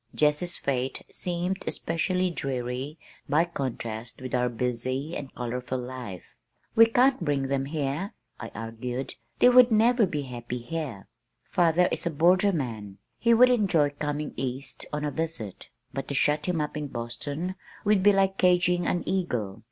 Jessie's fate seemed especially dreary by contrast with our busy and colorful life. "We can't bring them here," I argued. "They would never be happy here. Father is a borderman. He would enjoy coming east on a visit, but to shut him up in Boston would be like caging an eagle.